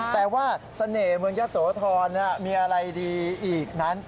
แต่ว่าเสน่ห์เมืองยะโสธรมีอะไรดีอีกนั้น